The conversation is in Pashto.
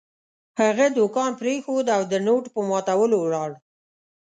هغه دوکان پرېښود او د نوټ په ماتولو ولاړ.